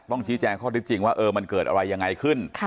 ชี้แจงข้อที่จริงว่ามันเกิดอะไรยังไงขึ้น